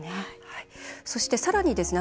そして、さらにですね